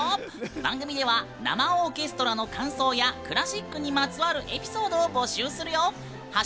番組では生オーケストラの感想やクラシックにまつわるエピソードを募集するよ。